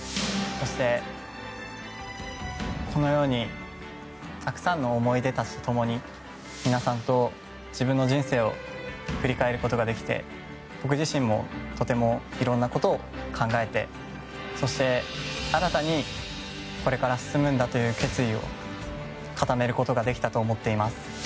そして、この世にたくさんの思い出たちと共に皆さんと自分の人生を振り返ることができて僕自身もとてもいろんなことを考えてそして、新たにこれから進むんだという決意を固めることができたと思います。